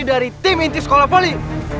dari tim inti sekolah volley